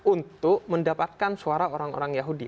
untuk mendapatkan suara orang orang yahudi